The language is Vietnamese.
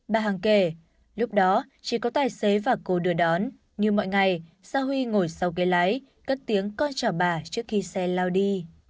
bà hằng kể lúc đó chỉ có tài xế và cô đưa đón như mọi ngày sa huy ngồi sau ghế lái cất tiếng coi cho bà trước khi xe lao đi